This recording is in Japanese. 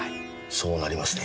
そうなりますね。